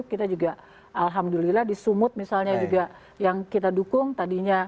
kita juga alhamdulillah di sumut misalnya juga yang kita dukung tadinya